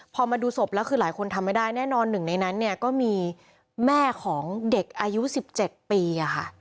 พอมาดูศพแล้วคือหลายคนทำไม่ได้แน่นอนหนึ่งในนั้นเนี่ยก็มีแม่ของเด็กอายุ๑๗ปีค่ะ